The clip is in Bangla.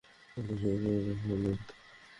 ওদের সবাইকে মেরে ফেলো।